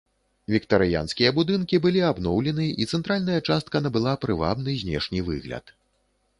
Віктарыянскія будынкі былі абноўлены і цэнтральная частка набыла прывабны знешні выгляд.